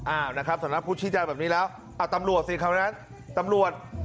อ้าวนะครับสำนักพุทธชี้แจงแบบนี้แล้วตำรวจสิคราวนั้นตำรวจ